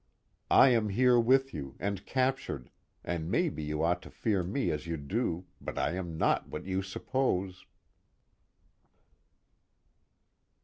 I am here with you, and captured, and maybe you ought to fear me as you do, but I am not what you suppose.